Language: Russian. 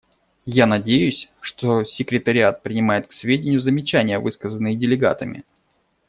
Я надеюсь, что секретариат принимает к сведению замечания, высказанные делегатами.